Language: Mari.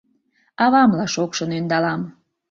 Авамла шокшын ӧндалам.